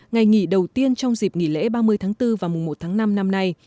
ngày nghỉ đầu tiên trong dịp nghỉ lễ ba mươi tháng bốn và mùa một tháng năm năm nay